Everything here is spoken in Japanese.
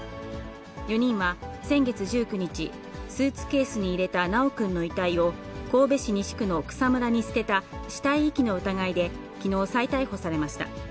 ４人は先月１９日、スーツケースに入れた修くんの遺体を、神戸市西区の草むらに捨てた死体遺棄の疑いできのう、再逮捕されました。